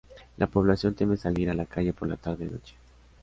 La población teme salir a la calle por la tarde noche.